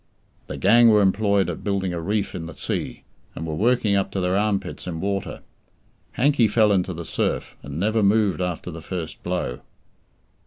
The gang were employed at building a reef in the sea, and were working up to their armpits in water. Hankey fell into the surf, and never moved after the first blow.